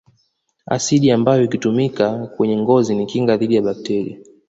Asidi ambayo ikitumika kwenye ngozi ni kinga dhidi ya bakteria